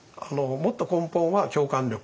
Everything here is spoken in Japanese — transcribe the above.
もっと根本は共感力。